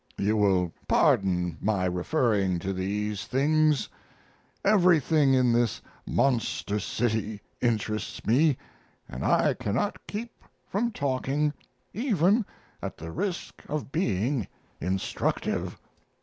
You will pardon my referring to these things. Everything in this monster city interests me, and I cannot keep from talking, even at the risk of being instructive.